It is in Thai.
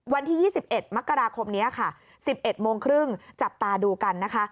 วันที่๒๑มกราคมนี้ค่ะ๑๑โมงครึ่งจับตาดูกันนะคะ